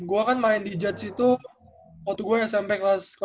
gue kan main di jets itu waktu gue ya sampe kelas tiga